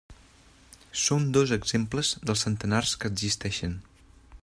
Són dos exemples dels centenars que existeixen.